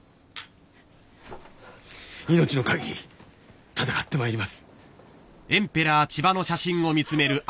・命の限り戦ってまいります！あっああ。